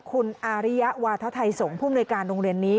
คุณอาริยาวาธาไทยสงภูมิในการโรงเรียนนี้